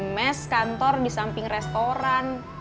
mes kantor di samping restoran